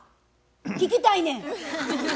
聞きたいねん！